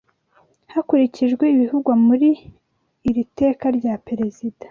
hakurikijwe ibivugwa muli iri teka rya perezida